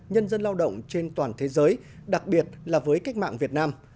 nhân dân lao động trên toàn thế giới đặc biệt là với cách mạng việt nam